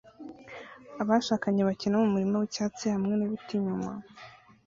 Abashakanye bakina mumurima wicyatsi hamwe nibiti inyuma